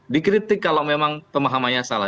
dikritik kalau memang pemahamannya salah